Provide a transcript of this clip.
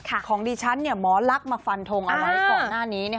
ของดิฉันหมอลักษณ์มาฟันทงเอาไว้ก่อนหน้านี้